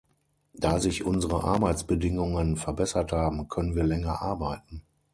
Da sich unsere Arbeitsbedingungen verbessert haben, können wir länger arbeiten.